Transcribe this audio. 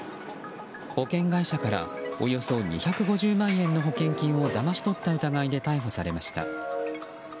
保険会社からおよそ２５０万円の保険金をだまし取った疑いで逮捕されました。